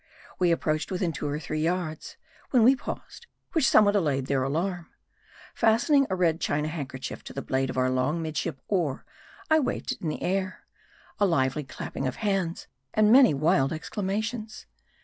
We approached within two or three yards ; when we paused, which somewhat allayed their alarm. Fastening a red China handkerchief to the blade of our long mid ship oar, I waved it in the air. A lively clapping of hands, and many wild exclamations.